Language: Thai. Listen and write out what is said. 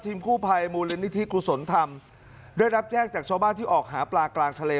กู้ภัยมูลนิธิกุศลธรรมได้รับแจ้งจากชาวบ้านที่ออกหาปลากลางทะเล